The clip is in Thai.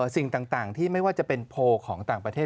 สิ่งต่างที่ไม่ว่าจะเป็นโพลของต่างประเทศ